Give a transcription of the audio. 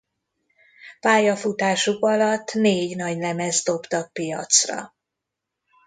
Pályafutásuk alatt négy nagylemezt dobtak piacra.